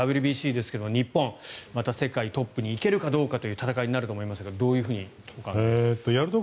ＷＢＣですが日本はまた世界トップに行けるかどうかという戦いになると思いますがどうご覧になりますか。